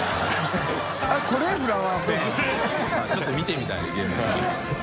ちょっと見てみたいね現物。